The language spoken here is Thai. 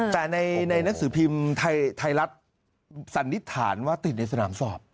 แต่ในหนังสือพิมพ์ไทยรัฐสันนิษฐานว่าติดในสนามสอบ